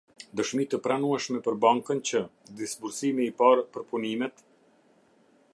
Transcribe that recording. Dëshmi të pranueshme për Bankën që: Disbursimi i parë për punimet.